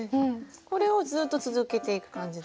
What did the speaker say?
これをずっと続けていく感じで？